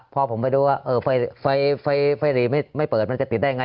พอผมไปดูว่าเออไฟไฟไฟหลีไม่ไม่เปิดมันจะติดได้ไง